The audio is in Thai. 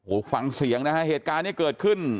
โอ้โหฟังเสียงนะฮะเหตุการณ์นี้เกิดขึ้น